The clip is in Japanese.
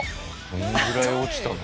どのぐらい落ちたの？